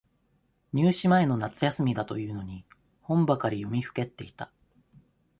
入試前の夏休みだというのに、本ばかり読みふけっていた。